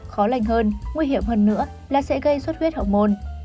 khó lành hơn nguy hiểm hơn nữa là sẽ gây suất huyết học môn